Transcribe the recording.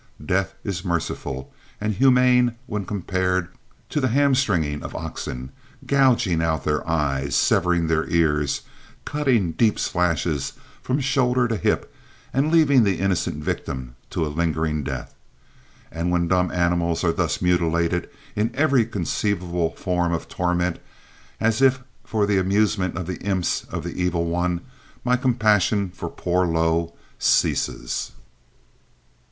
Death is merciful and humane when compared to the hamstringing of oxen, gouging out their eyes, severing their ears, cutting deep slashes from shoulder to hip, and leaving the innocent victim to a lingering death. And when dumb animals are thus mutilated in every conceivable form of torment, as if for the amusement of the imps of the evil one, my compassion for poor Lo ceases.